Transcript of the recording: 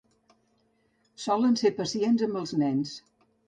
Solen ser pacients amb els nens.